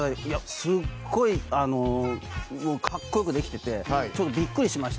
すごい格好良くできててビックリしました。